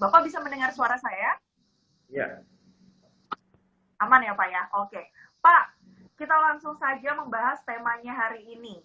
bapak bisa mendengar suara saya ya aman ya pak ya oke pak kita langsung saja membahas temanya hari ini